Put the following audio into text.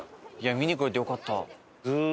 見に来れてよかった。